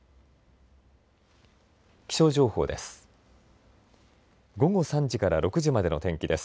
気象情報です。